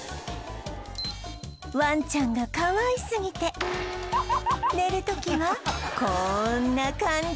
ワンちゃんがかわいすぎて寝る時はこんな感じ